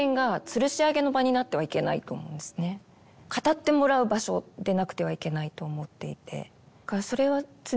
語ってもらう場所でなくてはいけないと思っていてそれは常に心しています。